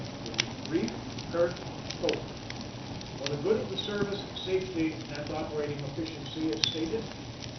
It was brief, curt, cold for the good of the service, safety, and operating efficiency, it stated.